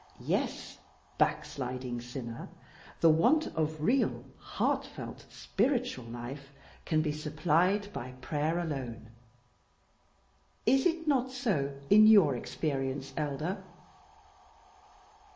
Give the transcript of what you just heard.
Yes, backsliding sinner, the want of real heart felt spiritual life can be supplied by prayer alone. Is it not so in your experience, Elder?"